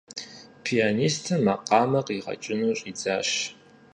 Пианистым макъамэр къригъэкӀыу щӀидзащ.